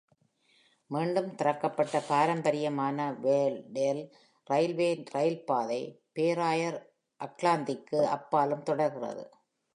மீண்டும் திறக்கப்பட்ட பாரம்பரியமான வேர்டேல் ரயில்வேயில் ரயில் பாதை, பேராயர் ஆக்லாந்திற்கு அப்பாலும் தொடர்கிறது.